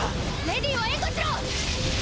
レディを援護しろ！